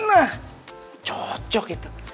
nah cocok itu